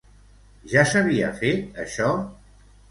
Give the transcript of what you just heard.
Ja s'havia fet això?